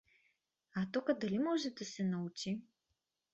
— А тука дали може да се научи?